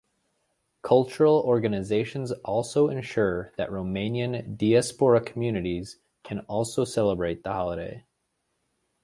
Cultural organizations also ensure that Romanian diaspora communities can also celebrate the holiday.